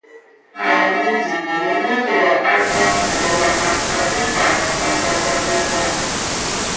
Aya midi guəli mi kədaɗɗan vandi kay ɓa vi kawgap ana wəza guguhə.